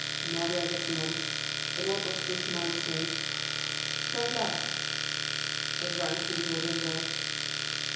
"Now we are getting on. And what was this man's name?" "Danglars." "What rank did he hold on board?"